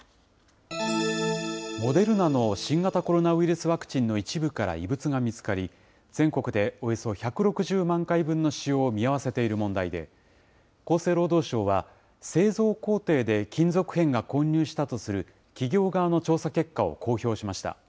モデルナの新型コロナウイルスワクチンの一部から異物が見つかり、全国でおよそ１６０万回分の使用を見合わせている問題で、厚生労働省は、製造工程で金属片が混入したとする企業側の調査結果を公表しました。